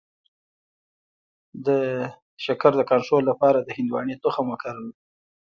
د شکر د کنټرول لپاره د هندواڼې تخم وکاروئ